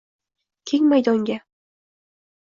Keng maydonga